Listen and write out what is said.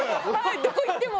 どこ言っても。